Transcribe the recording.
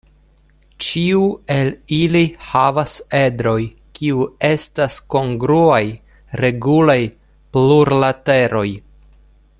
Ĉiu el ili havas edroj kiu estas kongruaj regulaj plurlateroj.